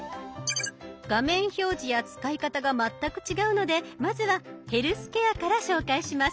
画面表示や使い方が全く違うのでまずは「ヘルスケア」から紹介します。